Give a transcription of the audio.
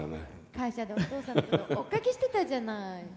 会社でお父さんのこと追っかけしてたじゃない。